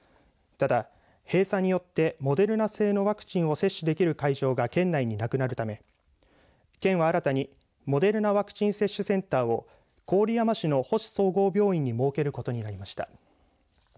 ただ、閉鎖によってモデルナ製のワクチンを接種できる会場が県内になくなるため県は新たにモデルナワクチン接種センターを郡山市の星総合病院に設けることになりました。